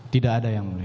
tidak ada yang boleh